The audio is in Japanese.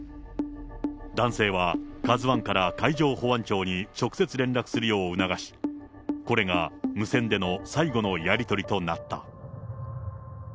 男性はカズワンから海上保安庁に直接連絡するよう促し、これが無線での最後のやり取りとなった。